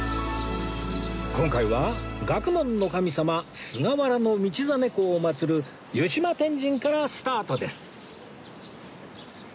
今回は学問の神様菅原道真公を祭る湯島天神からスタートです